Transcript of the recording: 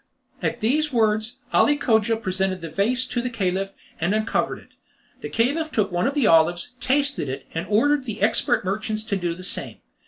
At these words, Ali Cogia presented the vase to the Caliph, and uncovered it. The Caliph took one of the olives, tasted it, and ordered the expert merchants to do the same.